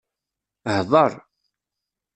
Hḍeṛ.